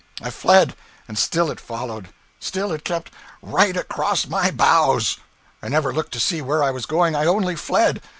I fled, and still it followed, still it kept right across my bows! I never looked to see where I was going, I only fled.